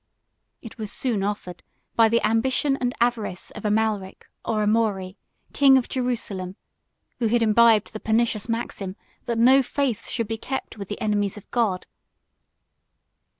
It was soon offered by the ambition and avarice of Amalric or Amaury, king of Jerusalem, who had imbibed the pernicious maxim, that no faith should be kept with the enemies of God.